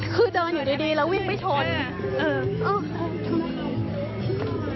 คือเดินอยู่ดีแล้ววิ่งไปชน